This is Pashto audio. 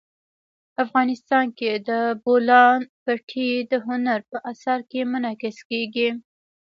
افغانستان کې د بولان پټي د هنر په اثار کې منعکس کېږي.